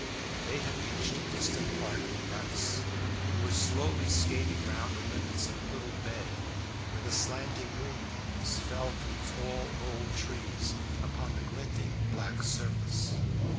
They had reached a distant part of the ice, and were slowly skating round the limits of a little bay, where the slanting moonbeams fell through tall old trees upon the glinting black surface.